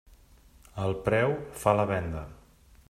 El preu fa la venda.